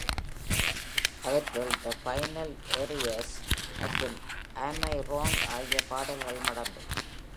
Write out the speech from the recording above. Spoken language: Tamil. அவற்றுள் ‘The Final Arrears’ மற்றும் ‘Am I Wrong’ ஆகிய பாடல்களும் அடங்கும்.